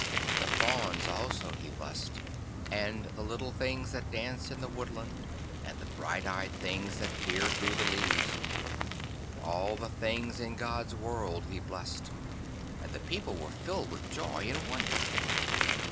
The Fauns also he blessed, and the little things that dance in the woodland, and the bright eyed things that peer through the leaves. All the things in God's world he blessed, and the people were filled with joy and wonder.